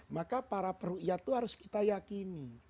maka para peruqyah itu harus kita yakini